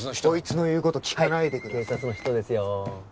こいつの言うこと聞かないではい警察の人ですよ